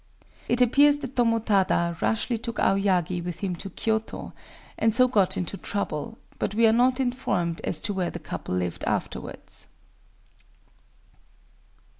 It appears that Tomotada rashly took Aoyagi with him to Kyōto, and so got into trouble; but we are not informed as to where the couple lived afterwards.